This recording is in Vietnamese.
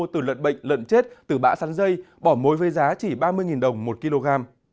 từ lợn bệnh lợn chết từ bã sắn dây bỏ mối với giá chỉ ba mươi đồng một kg